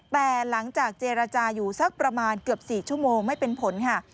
แต่หลังจากเจรจาอยู่สักประมาณเกือบ๔ชั่วโมงไม่เป็นผลค่ะ